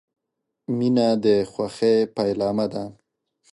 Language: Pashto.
• مینه د خوښۍ پیلامه ده.